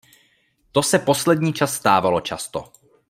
To se poslední čas stávalo často.